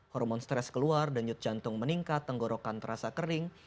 hormon stres keluar denyut jantung meningkat tenggorokan terasa kering